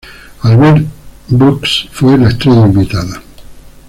Albert Brooks fue la estrella invitada.